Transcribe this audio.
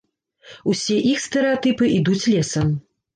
Усе іх стэрэатыпы ідуць лесам.